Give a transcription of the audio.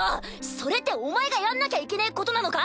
それってお前がやんなきゃいけねぇことなのか？